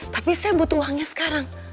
tapi saya butuh uangnya sekarang